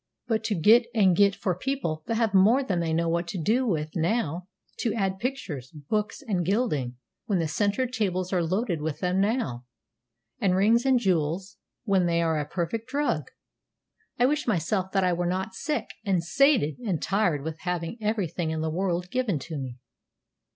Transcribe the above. But to get and get for people that have more than they know what to do with now; to add pictures, books, and gilding when the centre tables are loaded with them now, and rings and jewels when they are a perfect drug! I wish myself that I were not sick, and sated, and tired with having every thing in the world given me."